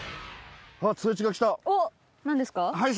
おっ何ですか？